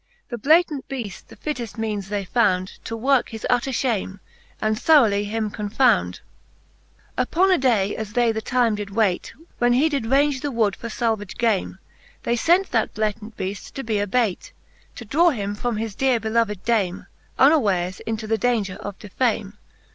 The Blatant Beaft the fitteft meanes they found, To worke his utter fliame, and throughly him confound. N n 2 XV. Upon 2^6 Tie fixthe Booke of Canto V, XV. Upon a day as they the time did waite. When he did raunge the wood for falvage game, They fent that Blatant Beaft to be a baite, To draw him from hi« deare beloved dame, Unwares into the daunger of defame.